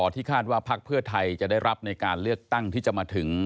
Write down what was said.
ที่คาดว่าพักเพื่อไทยจะได้รับในการเลือกตั้งที่จะมาถึง